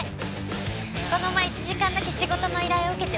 この前１時間だけ仕事の依頼を受けて伺ったんです。